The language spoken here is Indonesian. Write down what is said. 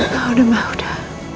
mbak uda mbak uda